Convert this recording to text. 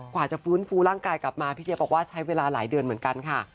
กว่าจะฟื้นฟูร่างกายกลับมาพี่เจี๊ยบอกว่าใช้เวลาหลายเดือนเหมือนกันค่ะ